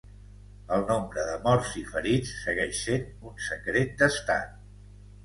El nombre de morts i ferits segueix sent un secret d'estat.